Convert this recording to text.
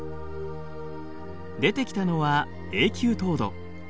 出てきたのは永久凍土。